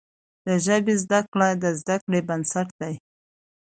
د ژبي زده کړه د زده کړې بنسټ دی.